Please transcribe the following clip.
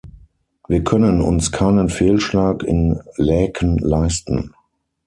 Wir können uns keinen Fehlschlag in Laeken leisten.